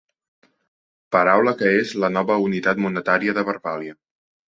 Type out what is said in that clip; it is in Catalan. Paraula que és la nova unitat monetària de Verbàlia.